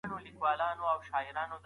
ډېری څېړنې د شواهدو په مټ ثابتېږي.